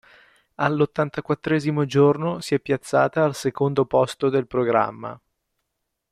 All'ottantaquattresimo giorno si è piazzata al secondo posto del programma.